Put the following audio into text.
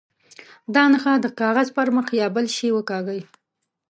دا نښه د کاغذ پر مخ یا بل شي وکاږي.